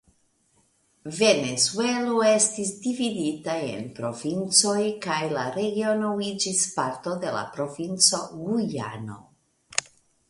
Venezuelo estis dividita en provincojn kaj la regiono iĝis parto de la provinco Gujano.